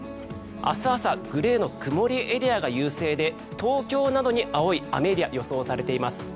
明日朝グレーの曇りエリアが優勢で東京などに青い雨エリアが予想されています。